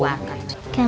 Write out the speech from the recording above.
ada anak luar